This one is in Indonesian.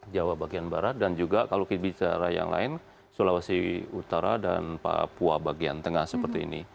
jawa bagian barat dan juga kalau kita bicara yang lain sulawesi utara dan papua bagian tengah seperti ini